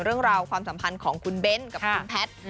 เรื่องราวความสัมพันธ์ของคุณเบนครับคุณแพทย์